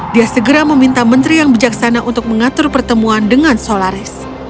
dia segera meminta menteri yang bijaksana untuk mengatur pertemuan dengan solaris